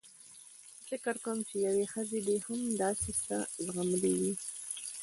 زه فکر نه کوم چې یوې ښځې دې هم داسې څه زغملي وي.